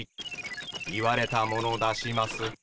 言われたもの出します。